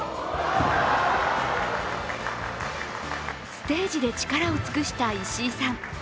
ステージで力を尽くした石井さん。